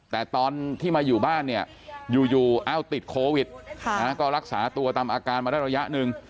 แต่ตอนที่มาอยู่บ้านเนี่ยอยู่เอ้าติดโควิดก็รักษาตัวตามอาการมาได้ระยะหนึ่ง